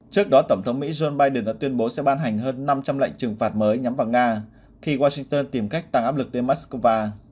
trước đó tổng thống mỹ joe biden đã tuyên bố sẽ ban hành hơn năm trăm linh lệnh trừng phạt mới nhắm vào nga khi washington tìm cách tăng áp lực tới moscow